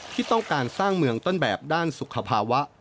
ที่ต้องการสร้างเมืองต้นแบบด้านสุขภาวะ